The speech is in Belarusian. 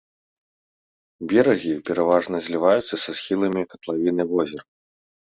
Берагі пераважна зліваюцца са схіламі катлавіны возера.